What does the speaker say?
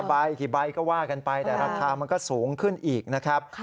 ใบกี่ใบก็ว่ากันไปแต่ราคามันก็สูงขึ้นอีกนะครับ